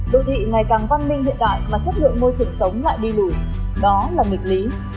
đô thị ngày càng văn minh hiện đại mà chất lượng môi trường sống lại đi lùi đó là nghịch lý